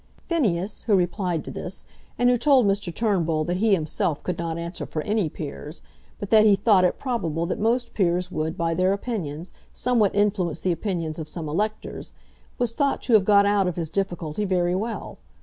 Phineas, who replied to this, and who told Mr. Turnbull that he himself could not answer for any peers, but that he thought it probable that most peers would, by their opinions, somewhat influence the opinions of some electors, was thought to have got out of his difficulty very well.